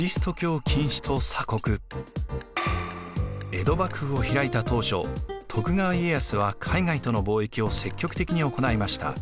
江戸幕府を開いた当初徳川家康は海外との貿易を積極的に行いました。